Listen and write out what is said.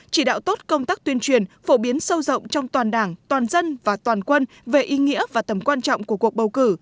chỉ đạo tốt công tác tuyên truyền phổ biến sâu rộng trong toàn đảng toàn dân và toàn quân về ý nghĩa và tầm quan trọng của cuộc bầu cử